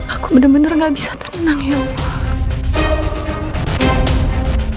aku bener bener ga bisa tenang ya allah